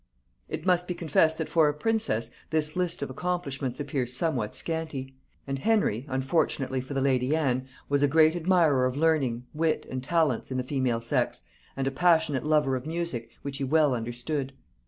It must be confessed that for a princess this list of accomplishments appears somewhat scanty; and Henry, unfortunately for the lady Anne, was a great admirer of learning, wit and talents, in the female sex, and a passionate lover of music, which he well understood.